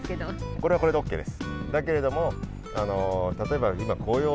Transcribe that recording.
これはこれでＯＫです。